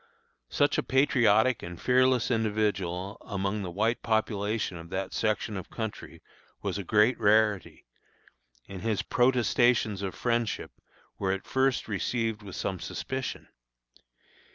Such a patriotic and fearless individual among the white population of that section of country was a great rarity, and his protestations of friendship were at first received with some suspicion.